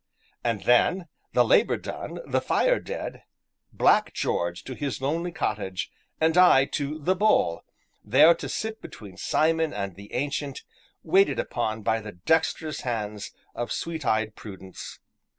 And then, the labor done, the fire dead Black George to his lonely cottage, and I to "The Bull" there to sit between Simon and the Ancient, waited upon by the dexterous hands of sweet eyed Prudence.